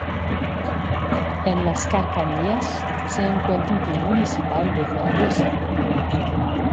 En las cercanías se encuentra el camping municipal de Zaragoza.